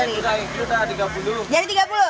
itu dah tiga puluh